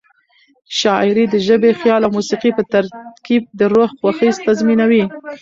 شاعري د ژبې، خیال او موسيقۍ په ترکیب د روح خوښي تضمینوي.